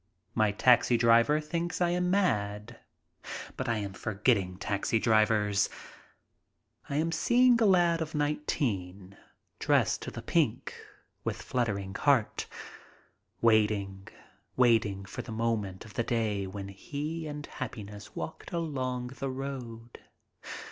My taxi driver thinks I am mad. But I am for getting taxi drivers. I am seeing a lad of nineteen, dressed to the pink, with fluttering heart, waiting, waiting for the moment of the day when he and happiness walked along the road.